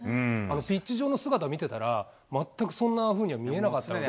ピッチ上の姿見てたら、全くそんなふうには見えなかったので。